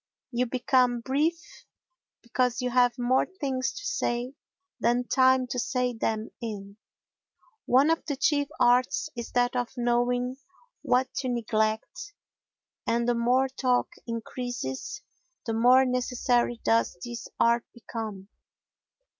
You become brief because you have more things to say than time to say them in. One of the chief arts is that of knowing what to neglect and the more talk increases the more necessary does this art become.